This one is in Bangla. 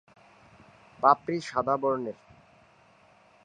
পাপড়ি সাদা বর্ণের।